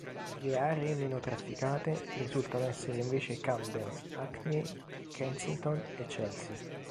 Le aree meno trafficate risultano essere invece Camden, Hackney e Kensington e Chelsea.